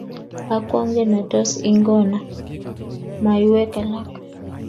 akwonge natos igona maywek alak